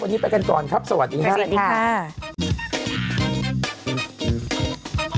วันนี้ไปกันก่อนครับสวัสดีค่ะ